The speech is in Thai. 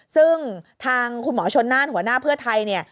ซึ่งทางคุณหมอชนน่านหัวหน้าเพื่อไทยเนี่ย